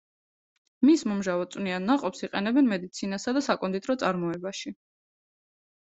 მის მომჟავო წვნიან ნაყოფს იყენებენ მედიცინასა და საკონდიტრო წარმოებაში.